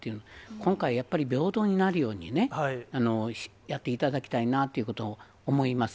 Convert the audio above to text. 今回やっぱり、平等になるようにね、やっていただきたいなということを思います。